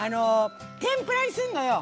天ぷらにすんのよ。